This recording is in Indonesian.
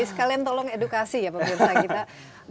sekalian tolong edukasi ya pak bersa kita